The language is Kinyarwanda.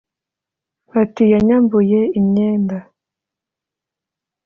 Ati “Yanyambuye imyenda